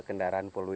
kendiaran poluit drive